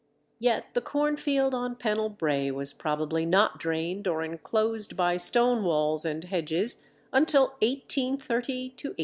Yet the cornfield on Pennell Brae was probably not drained or enclosed by stone walls and hedges until 1830 to 1840!